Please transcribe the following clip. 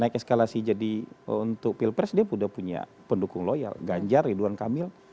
naik eskalasi jadi untuk pilpres dia sudah punya pendukung loyal ganjar ridwan kamil